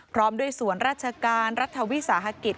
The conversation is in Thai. พร้อมด้วยสวนรัชการรัฐวิสาภาษฎร์